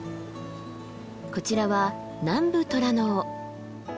こちらはナンブトラノオ。